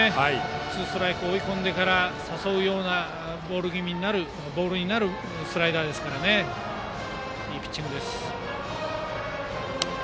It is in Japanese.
ツーストライク追い込んでから誘うようなボールになるスライダーですからいいピッチングです。